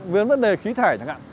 với vấn đề khí thải chẳng hạn